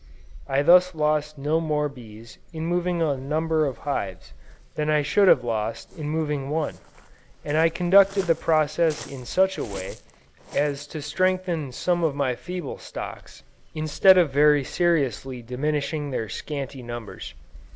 I thus lost no more bees, in moving a number of hives, than I should have lost in moving one: and I conducted the process in such a way, as to strengthen some of my feeble stocks, instead of very seriously diminishing their scanty numbers.